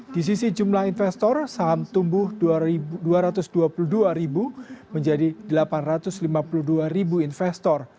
di sisi jumlah investor saham tumbuh dua ratus dua puluh dua menjadi delapan ratus lima puluh dua investor